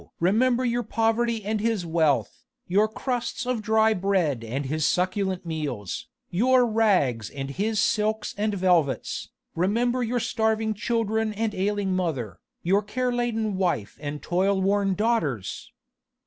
remember your poverty and his wealth, your crusts of dry bread and his succulent meals, your rags and his silks and velvets, remember your starving children and ailing mother, your care laden wife and toil worn daughters!